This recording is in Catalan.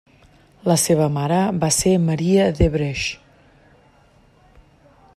La seva mare va ser Maria d'Évreux.